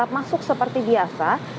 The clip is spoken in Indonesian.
dan masih tetap berada di stasiun dukuh atas lrt